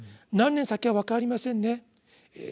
何年先か分かりませんね。